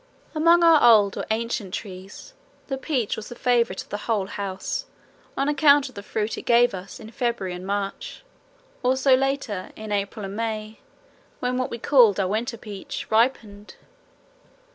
Among our old or ancient trees the peach was the favourite of the whole house on account of the fruit it gave us in February and March, also later, in April and May, when what we called our winter peach ripened.